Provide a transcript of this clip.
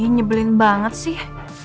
nyebelin banget sih